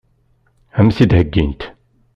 Ad m-t-id-heggint?